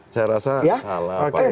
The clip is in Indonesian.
saya rasa salah pak luhut